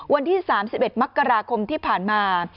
วันที่๓๑มที่ผ่านมา